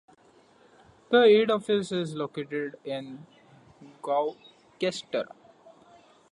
The head office is located in Gloucester.